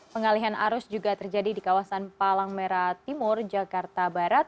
pengalihan arus juga terjadi di kawasan palang merah timur jakarta barat